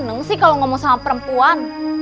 seneng sih kalau ngomong sama perempuan